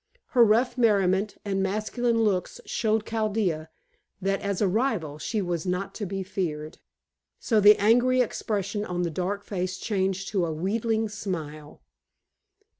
Her rough merriment and masculine looks showed Chaldea that, as a rival, she was not to be feared, so the angry expression on the dark face changed to a wheedling smile.